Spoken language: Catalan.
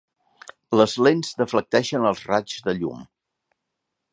Les lents deflecteixen els raigs de llum.